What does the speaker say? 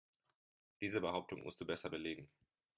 Diese Behauptung musst du besser belegen.